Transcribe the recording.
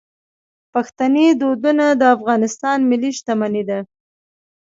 پښتني دودونه د افغانستان ملي شتمني ده.